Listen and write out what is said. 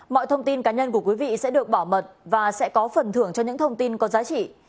mọi thông tin cá nhân của quý vị sẽ được bảo mật và sẽ có phần thưởng cho những thông tin có giá trị